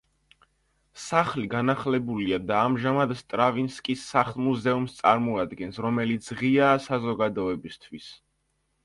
სახლი განახლებულია და ამჟამად სტრავინსკის სახლ-მუზეუმს წარმოადგენს, რომელიც ღიაა საზოგადოებისთვის.